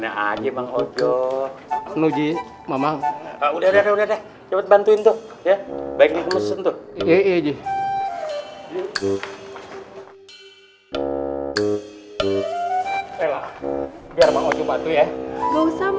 dari mana aja bang ojo nugji mama udah udah udah cepet bantuin tuh ya baik baik mesin tuh